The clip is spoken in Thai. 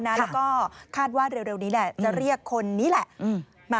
แล้วก็คาดว่าเร็วนี้แหละจะเรียกคนนี้แหละ